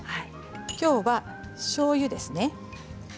きょうはしょうゆですね。